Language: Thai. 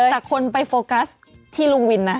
แต่คนไปโฟกัสที่ลุงวินนะ